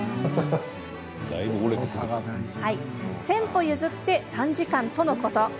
１０００歩譲って３時間とのこと。